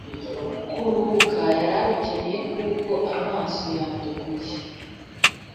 kuruhuka yarabikeneye kuko amaso yatukuye